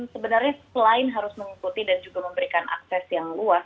sebenarnya selain harus mengikuti dan juga memberikan akses yang luas